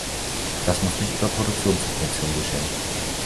Das muss nicht über Produktionssubventionen geschehen.